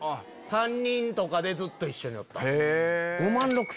３人とかでずっと一緒におった。